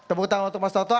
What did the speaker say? tepuk tangan untuk mas toto